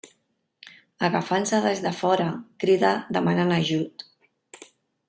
Agafant-se des de fora, crida demanant ajut.